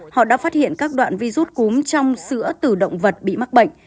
họ đã phát hiện các đoạn virus cúm trong sữa từ động vật bị mắc bệnh